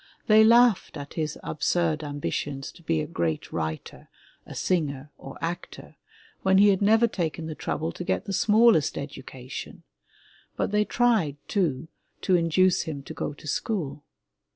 They laughed at his absurd ambitions to be a great writer, a singer or actor, when he had never taken the trouble to get the smallest education, but they tried, too, to induce him to go to school.